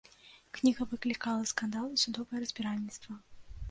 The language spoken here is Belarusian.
Кніга выклікала скандал і судовае разбіральніцтва.